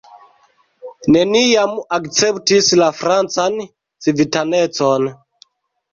Neniam akceptis la francan civitanecon.